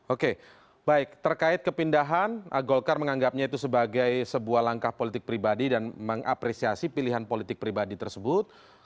oke baik terkait kepindahan golkar menganggapnya itu sebagai sebuah langkah politik pribadi dan mengapresiasi pilihan politik pribadi tersebut